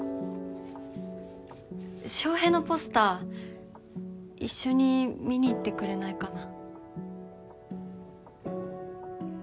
翔平のポスター一緒に見に行ってくれないかな？